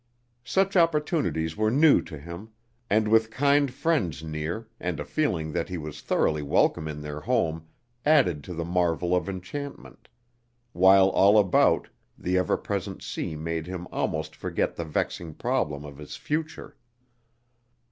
Such opportunities were new to him, and with kind friends near, and a feeling that he was thoroughly welcome in their home added to the marvel of enchantment; while all about, the ever present sea made him almost forget the vexing problem of his future.